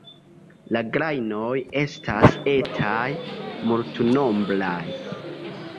La grajnoj estas etaj, multnombraj.